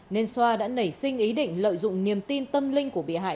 nên xoa đã nảy sinh ý định lợi dụng niềm tin tâm linh của bị hại